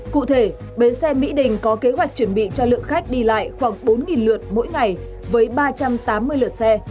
cụ thể bến xe mỹ đình có kế hoạch chuẩn bị cho lượng khách đi lại khoảng bốn lượt mỗi ngày với ba trăm tám mươi lượt xe